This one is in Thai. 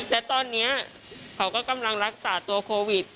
และตอนนี้เขาก็กำลังรักษาตัวโควิด